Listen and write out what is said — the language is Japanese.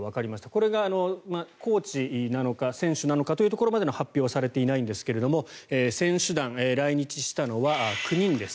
これがコーチなのか選手なのかというところまで発表はされていませんが選手団来日したのは９人です。